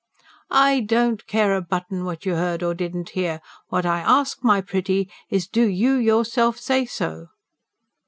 "I don't care a button what you heard or didn't hear. What I ask, my pretty, is do you yourself say so?"